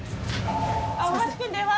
大橋くん電話！